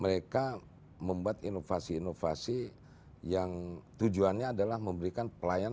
mereka membuat inovasi inovasi yang tujuannya adalah memberikan pelayanan